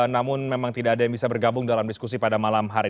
namun memang tidak ada yang bisa bergabung dalam diskusi pada malam hari